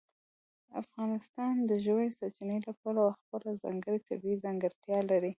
افغانستان د ژورې سرچینې له پلوه خپله ځانګړې طبیعي ځانګړتیا لري.